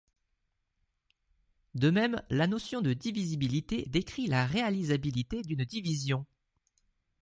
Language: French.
De même, la notion de divisibilité décrit la réalisabilité d’une division.